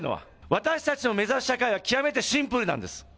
私たちの目指す社会は極めてシンプルなんです。